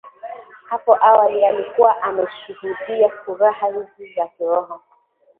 Hapo awali alikuwa ameshuhudia furaha hizi za kiroho